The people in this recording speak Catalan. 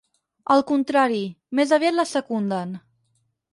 Al contrari, més aviat la secunden.